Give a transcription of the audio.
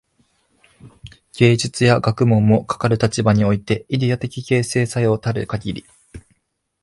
芸術や学問も、かかる立場においてイデヤ的形成作用たるかぎり、